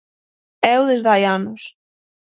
Éo desde hai anos.